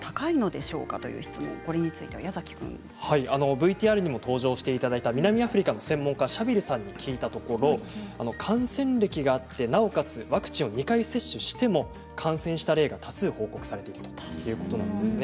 ＶＴＲにも登場していただいた南アフリカ専門家ジャビルさんに聞いたところ感染歴があってなおかつワクチンを２回接種しても感染した例が多数報告されているということなんですね。